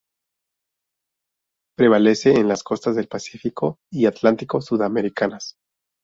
Prevalece en las costas del Pacífico y Atlántico sudamericanas.